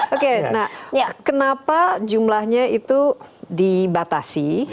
oke nah kenapa jumlahnya itu dibatasi